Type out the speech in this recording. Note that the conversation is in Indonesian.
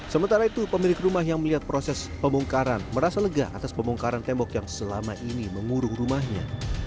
sementara itu pemilik rumah yang melihat proses pembongkaran merasa lega atas pembongkaran tembok yang selama ini mengurung rumahnya